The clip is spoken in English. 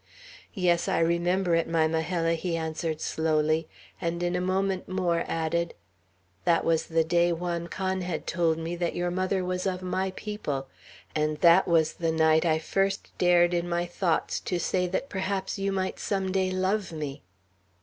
"Yes, I remember it, my Majella," he answered slowly; and in a moment more added, "That was the day Juan Can had told me that your mother was of my people; and that was the night I first dared in my thoughts to say that perhaps you might some day love me."